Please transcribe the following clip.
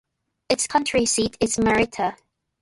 Its county seat is Marietta.